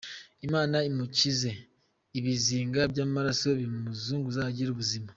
Imana imukize ibizinga by’amaraso bimuzunguza agire ubuzima.